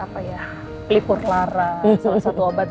peliput larang salah satu obat